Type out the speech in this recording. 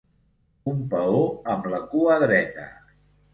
Un paó amb la cua dreta.